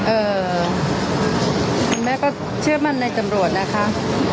เอ่อคุณแม่ก็เชื่อมั่นในตำรวจนะคะ